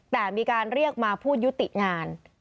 แต่มีการเรียกมาพูดยุติงาน